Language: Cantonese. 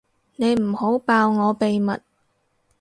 你唔好爆我秘密